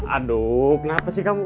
aduh kenapa sih kamu